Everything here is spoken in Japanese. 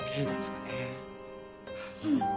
うん。